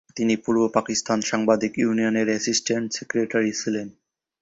তিনি পূর্ব পাকিস্তান সাংবাদিক ইউনিয়নের অ্যাসিস্ট্যান্ট সেক্রেটারি ছিলেন।